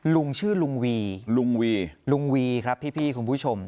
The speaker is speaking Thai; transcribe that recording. ลุงชื่อลุงวีลุงวีลุงวีครับพี่คุณผู้ชม